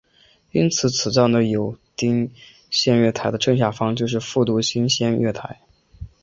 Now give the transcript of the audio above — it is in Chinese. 因此此站的有乐町线月台的正下方就是副都心线月台。